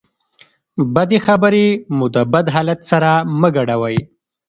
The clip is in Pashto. بدې خبرې مو د بد حالت سره مه ګډوئ.